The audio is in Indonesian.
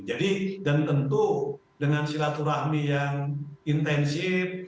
jadi dan tentu dengan silat rahmi yang intensif